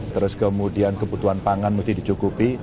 terus kemudian kebutuhan pangan mesti dicukupi